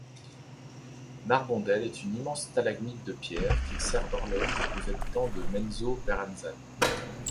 Narbondel est une immense stalagmite de pierre qui sert d'horloge aux habitants de Menzoberranzan.